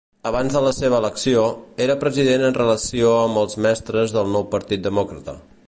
Abans de la seva elecció, era president en relació amb els mestres del Nou Partit Demòcrata.